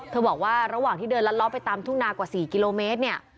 บอกว่าระหว่างที่เดินลัดล้อไปตามทุ่งนากว่า๔กิโลเมตรเนี่ย